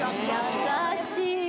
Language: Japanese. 優しい。